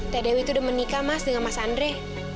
teh dewi itu udah menikah mas dengan mas andre